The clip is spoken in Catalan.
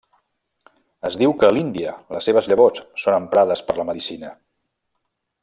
Es diu que a l'Índia les seves llavors són emprades per la medicina.